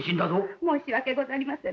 申し訳ござりませぬ。